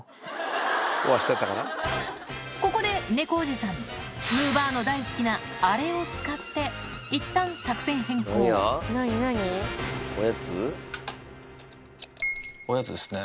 ここでネコおじさんむぅばあの大好きなアレを使っていったん作戦変更おやつですね。